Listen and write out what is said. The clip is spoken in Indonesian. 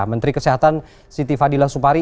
menteri kesehatan siti fadila supari